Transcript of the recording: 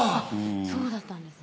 そうだったんですね